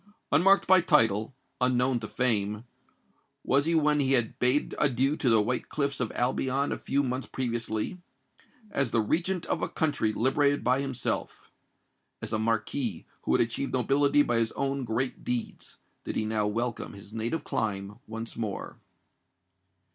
Unmarked by title, unknown to fame, was he when he had bade adieu to the white cliffs of Albion a few months previously:—as the Regent of a country liberated by himself—as a Marquis who had acquired nobility by his own great deeds, did he now welcome his native clime once more.